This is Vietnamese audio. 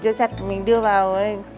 cho chặt mình đưa vào